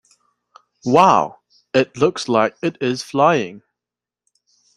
Wow! It looks like it is flying!